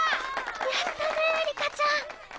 やったねえりかちゃん！